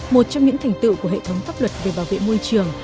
một trong những thành tựu của hệ thống pháp luật về bảo vệ môi trường